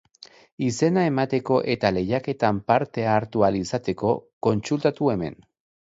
Izena emateko eta lehiaketan parte hartu ahal izateko, kontsultatu hemen.